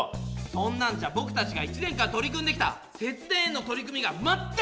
そんなんじゃぼくたちが１年間取り組んできた節電への取り組みがまったく伝わらないよ！